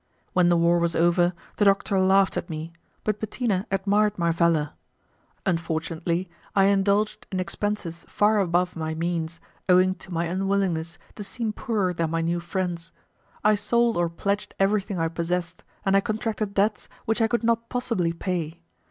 When the war was over, the doctor laughed at me, but Bettina admired my valour. Unfortunately, I indulged in expenses far above my means, owing to my unwillingness to seem poorer than my new friends. I sold or pledged everything I possessed, and I contracted debts which I could not possibly pay.